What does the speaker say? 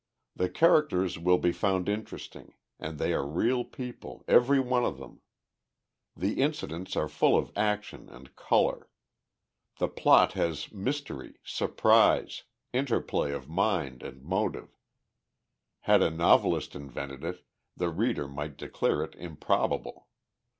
The characters will be found interesting, and they are real people, every one of them. The incidents are full of action and color. The plot has mystery, surprise, interplay of mind and motive—had a novelist invented it, the reader might declare it improbable.